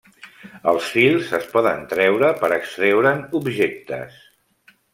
Els fils es poden treure per extreure'n objectes.